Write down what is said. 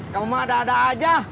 kamu mah ada ada aja